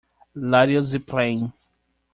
Ladeuzeplein.